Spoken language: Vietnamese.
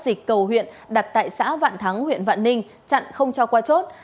dịch cầu huyện đặt tại xã vạn thắng huyện vạn ninh chặn không cho qua chốt